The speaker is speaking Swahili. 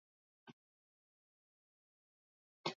Eneo la Mashariki mwa Kongo lina utajiri mkubwa wa madini